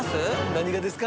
何がですか？